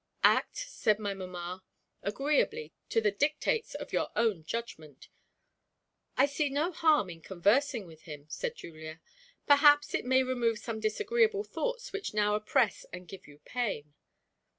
"Act," said my mamma, "agreeably to the dictates of your own judgment." "I see no harm in conversing with him," said Julia. "Perhaps it may remove some disagreeable thoughts which now oppress and give you pain.